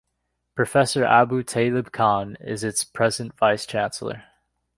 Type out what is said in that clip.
Professor Abu Taleb Khan is its present vice chancellor.